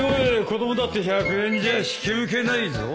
子供だって１００円じゃ引き受けないぞ